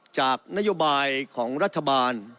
จากนโยบายของรัฐบาล